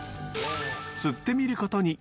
釣ってみることに。